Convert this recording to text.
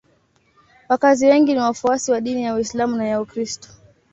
Wakazi wengi ni wafuasi wa dini ya Uislamu na ya Ukristo.